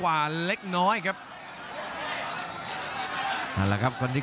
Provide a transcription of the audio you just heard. และอัพพิวัตรสอสมนึก